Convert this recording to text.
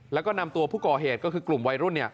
แล้วก็นำตัวผู้ก่อเหตุกลุ่มวัยรุ่นนี้